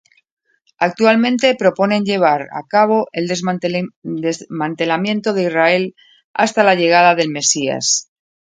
Actualmente proponen llevar a cabo el desmantelamiento de Israel hasta la llegada del Mesías.